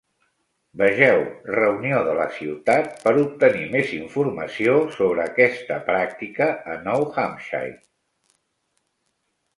"Vegeu Reunió de la ciutat per obtenir més informació sobre aquesta pràctica a Nou Hampshire"